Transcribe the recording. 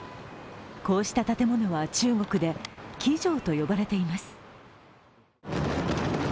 こうした建物は中国で鬼城と呼ばれています。